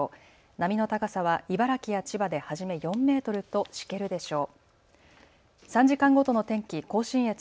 波の高さは茨城や千葉ではじめ４メートルとしけるでしょう。